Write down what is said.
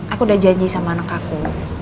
aku udah janji sama anak aku